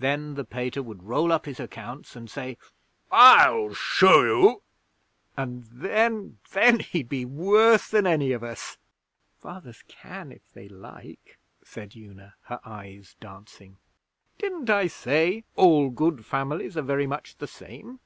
Then the Pater would roll up his accounts, and say, "I'll show you!" and then then, he'd be worse than any of us!' 'Fathers can if they like,' said Una, her eyes dancing. 'Didn't I say all good families are very much the same?'